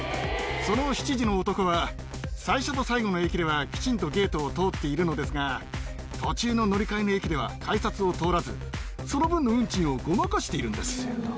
その７時の男は、最初と最後の駅ではきちんとゲートを通っているのですが、途中の乗り換えの駅では改札を通らず、その分の運賃をごまかしているんです。